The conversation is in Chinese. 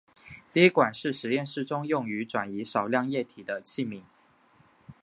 滴管是实验室中用于转移少量液体的器皿。